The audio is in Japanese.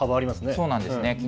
そうなんですね。